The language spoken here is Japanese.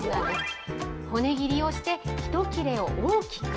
骨切りをして、ひと切れを大きく。